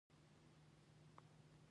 ایا زه باید د ویټامین ډي ټسټ وکړم؟